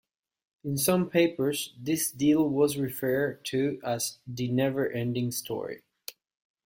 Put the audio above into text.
In some papers, this deal was referred to as The never ending story.